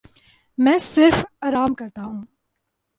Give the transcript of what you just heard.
میں صرف آرام کرتا ہوں۔